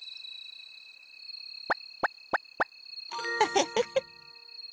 フフフフ。